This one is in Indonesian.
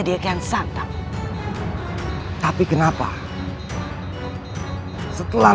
bagian tengah istana masih kosong